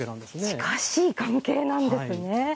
近しい関係なんですね。